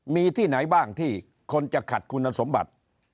มีที่ไหนบ้างที่คนจะขัดคุณสมบัติ